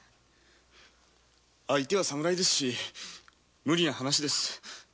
相手は侍ですし無理な話です。